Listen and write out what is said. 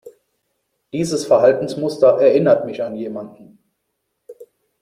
Dieses Verhaltensmuster erinnert mich an jemanden.